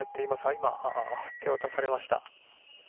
今、手渡されました。